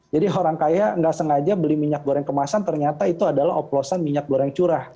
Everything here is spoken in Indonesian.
jadi orang kaya enggak sengaja beli minyak goreng kemasan ternyata itu adalah oplosan minyak goreng curah